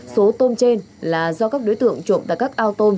số tôm trên là do các đối tượng trộm tại các ao tôn